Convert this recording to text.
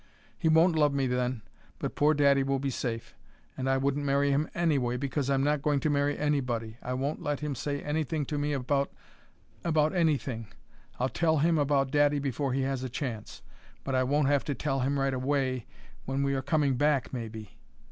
"He won't love me then, but poor daddy will be safe. And I wouldn't marry him anyway, because I'm not going to marry anybody. I won't let him say anything to me about about anything; I'll tell him about daddy before he has a chance. But I won't have to tell him right away when we are coming back, maybe."